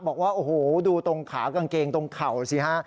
บอกว่าโอ้โหดูตรงขากางเกงตรงเข่าสิฮะ